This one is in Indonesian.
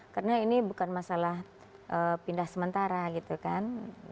karena ini bukan masalah pindah sementara gitu kan